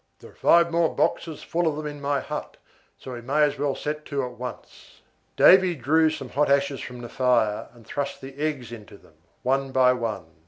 There are five more boxes full of them in my hut, so we may as well set to at once." Davy drew some hot ashes from the fire, and thrust the eggs into them, one by one.